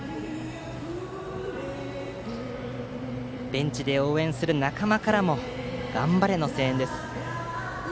ベンチで応援する仲間からも頑張れの声援です。